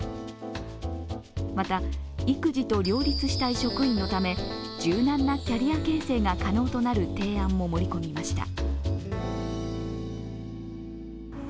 また育児と両立したい職員のため、柔軟なキャリア形成が可能となる提案も盛り込みました。